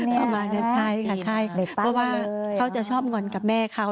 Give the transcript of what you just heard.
ประมาณนั้นใช่ค่ะใช่เพราะว่าเขาจะชอบงอนกับแม่เขา